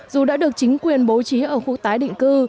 dù đã được chính quyền bố trí ở khu tái định cư